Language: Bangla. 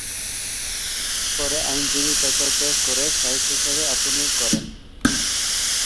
পরে আইনজীবী পেশা ত্যাগ করে সাহিত্যসেবায় আত্মনিয়োগ করেন।